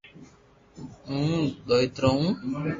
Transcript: ھون دوئيترو ھون